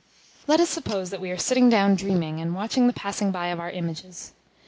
Let us suppose that we are sitting down dreaming and watching the passing by of our images.